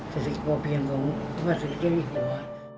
เศรษฐกิจป่อเพียงของพระบาทสุริยะวิทยาลัยบุหรภาค